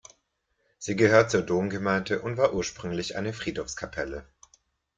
Sie gehört zur Domgemeinde und war ursprünglich eine Friedhofskapelle.